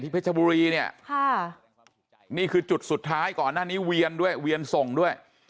เพชรบุรีเนี่ยนี่คือจุดสุดท้ายก่อนหน้านี้เวียนด้วยเวียนส่งด้วย